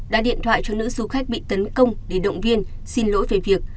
đã điện thoại cho nữ du khách bị tấn công để động viên xin lỗi về việc